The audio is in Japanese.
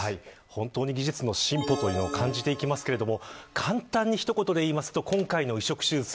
本当に技術の進歩を感じていきますが、簡単に一言で言いますと今回の移植手術